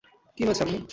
কী হয়েছে, আম্মু?